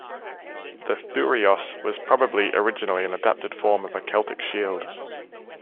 The "thureos" was probably originally an adapted form of a Celtic shield.